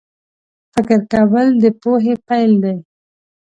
فکر کول د پوهې پیل دی